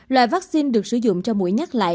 loại vaccine được sử dụng cho mũi nhắc lại